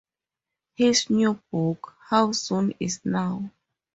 His new book How Soon Is Now?